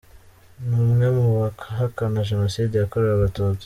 Ni umwe mu bahakana Jenoside yakorewe Abatutsi.